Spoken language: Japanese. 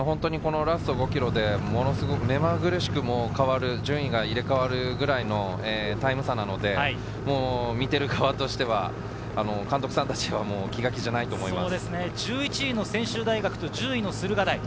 ラスト５ｋｍで、ものすごく目まぐるしく変わる、順位が入れ替わるくらいのタイム差なので、見てる側としては監督さんたちは気が気じゃないと思います。